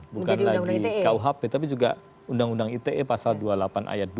bukan lagi kuhp tapi juga undang undang ite pasal dua puluh delapan ayat dua